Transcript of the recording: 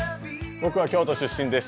僕は京都出身です。